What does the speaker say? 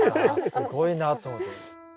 すごいなと思って。